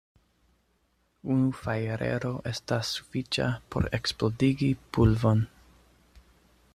Unu fajrero estas sufiĉa, por eksplodigi pulvon.